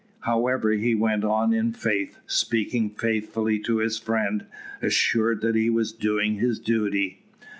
However, he went on in faith, speaking faithfully to his friend, assured that he was doing his duty.